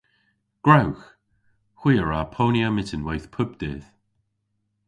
Gwrewgh! Hwi a wra ponya myttinweyth pub dydh.